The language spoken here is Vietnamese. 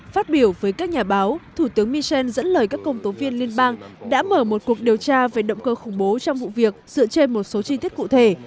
phát biểu với các nhà báo thủ tướng michel dẫn lời các công tố viên liên bang đã mở một cuộc điều tra về động cơ khủng bố trong vụ việc dựa trên một số chi tiết cụ thể